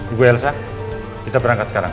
ibu elsa kita berangkat sekarang